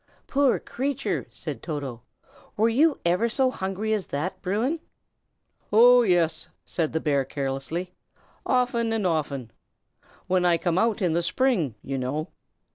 "Poor creature!" said Toto. "Were you ever so hungry as that, Bruin?" "Oh, yes!" said the bear, carelessly, "often and often. When I came out in the spring, you know.